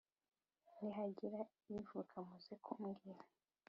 Ntihagira ivuka muze kumbwira